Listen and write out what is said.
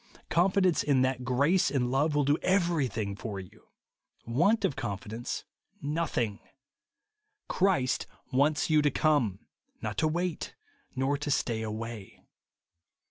Confidence in that grace and love will do evevythmg for you ; v^^ant of confidence, nothing. Christ wants you to come ; not to wait, nor to stay away.